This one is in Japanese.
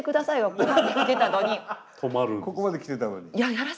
ここまで来てたのに。